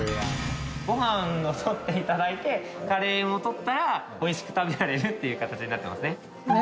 ご飯を取って頂いてカレーも取ったら美味しく食べられるっていう形になっていますね。